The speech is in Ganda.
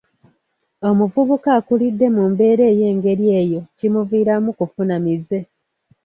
Omuvubuka akulidde mu mbeera ey'engeri eyo kimuviiramu kufuna mize.